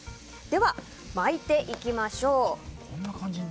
では、巻いていきましょう。